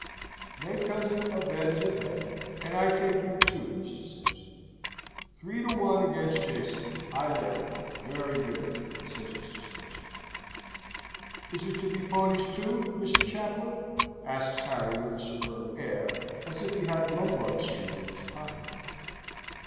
"Nay, cousin, a bet is a bet; and I take you, too, Mr. Sampson." "Three to one against Jason. I lay it. Very good," says Mr. Sampson. "Is it to be ponies too, Mr. Chaplain?" asks Harry with a superb air, as if he had Lombard Street in his pocket.